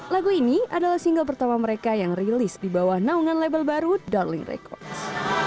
lagu ini adalah single pertama mereka yang rilis di bawah naungan label baru darling records